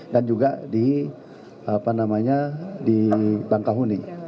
dan juga di apa namanya di bangkahuni